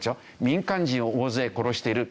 民間人を大勢殺している。